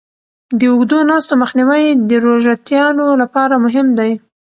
د اوږدو ناستو مخنیوی د روژهتیانو لپاره مهم دی.